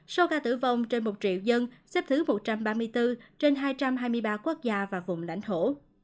số ca tử vong trên một triệu dân xếp thứ một trăm ba mươi bốn trên hai trăm hai mươi ba quốc gia và vùng lãnh thổ